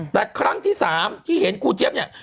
แต่ครั้งที่๓ที่เห็นครูเจี๊ยบเนี่ย